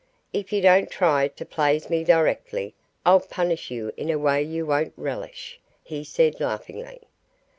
"If you don't try to plaze me directly I'll punish you in a way you won't relish," he said laughingly.